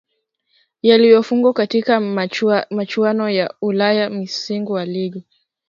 Yaliyofungwa katika michuano ya Ulaya Msimu wa Ligi